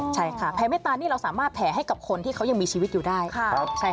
ใช่ค่ะแผ่เมตตานี่เราสามารถแผ่ให้กับคนที่เขายังมีชีวิตอยู่ได้